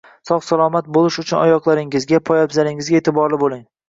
Sog‘-salomat bo‘lish uchun oyoqlaringizga, poyafzalingizga e’tiborli bo‘ling.